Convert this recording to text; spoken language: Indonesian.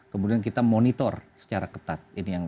kemudian kita monitor secara ketat